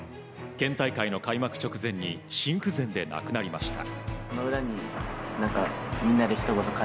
県大会の開幕直前に心不全で亡くなりました。